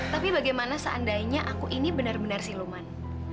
tapi bagaimana seandainya aku ini benar benar si luman